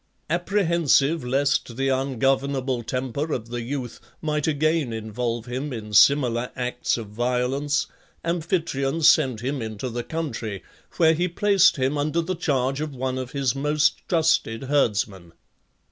Apprehensive lest the ungovernable temper of the youth might again involve him in similar acts of violence, Amphitryon sent him into the country, where he placed him under the charge of one of his most trusted herdsmen.